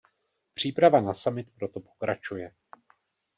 Příprava na summit proto pokračuje.